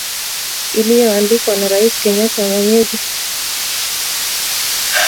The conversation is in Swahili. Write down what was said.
iliyoandaliwa na Rais Kenyatta mwenyeji wa mkutano wa wakuu wa nchi za Afrika mashariki